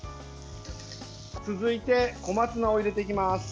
続いて、小松菜を入れていきます。